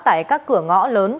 tại các cửa ngõ lớn